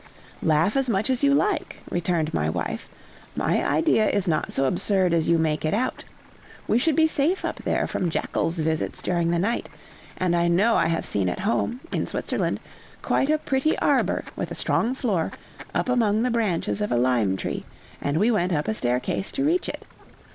"Laugh as much as you like," returned my wife, "my idea is not so absurd as you make it out. We should be safe up there from jackals' visits during the night. And I know I have seen at home, in Switzerland, quite a pretty arbor, with a strong floor, up among the branches of a lime tree, and we went up a staircase to reach it.